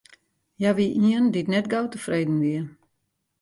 Hja wie ien dy't net gau tefreden wie.